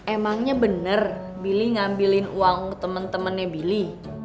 emangnya bener billy ngambilin uang ke temen temennya billy